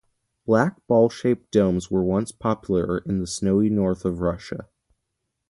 Black ball-shaped domes were once popular in the snowy north of Russia.